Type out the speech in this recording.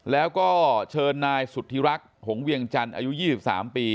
แล้วก็เชิญนายสุธิรักษ์หงเวียงจันทร์อายุ๒๓ปี